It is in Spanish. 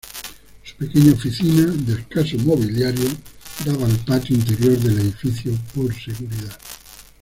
Su pequeña oficina, de escaso mobiliario, daba al patio interior del edificio, por seguridad.